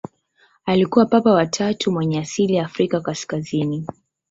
Alikuwa Papa wa tatu mwenye asili ya Afrika kaskazini.